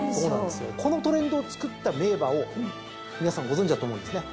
このトレンドを作った名馬を皆さんご存じだと思うんですね。